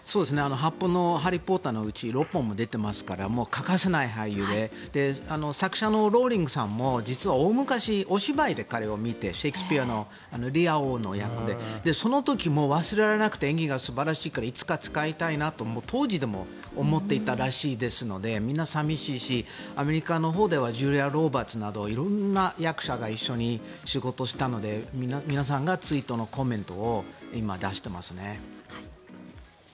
８本の「ハリー・ポッター」のうち６本も出ていますから欠かせない俳優で作者のローリングさんも実は大昔お芝居で彼を見てシェイクスピアの「リア王」の役でその時も忘れられなくて演技が素晴らしいからいつか使いたいと当時も思っていたらしいのでみんな寂しいしアメリカのジュリア・ロバーツなど色んな役者が一緒に仕事したので皆さんが追悼のコメントを今、出していますね。